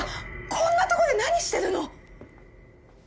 こんなところで何してるの？